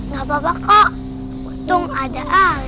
gak apa apa kok untung ada ah